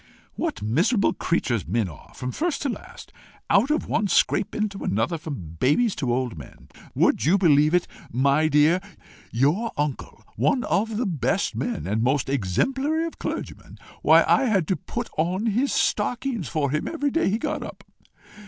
"What miserable creatures men are from first to last! Out of one scrape into another from babies to old men! Would you believe it, my dear? your uncle, one of the best of men, and most exemplary of clergymen why, I had to put on his stockings for him every day he got up!